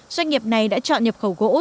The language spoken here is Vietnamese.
doanh nghiệp này đã chọn nhập khẩu gỗ